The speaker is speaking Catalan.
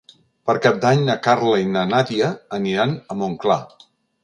Per Cap d'Any na Carla i na Nàdia aniran a Montclar.